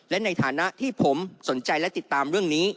และในฐานะที่ผมสนใจและติดตามเรื่องนี้